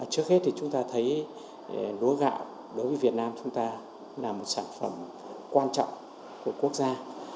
trước hết thì chúng ta thấy lúa gạo đối với việt nam chúng ta là một sản phẩm quan trọng của quốc gia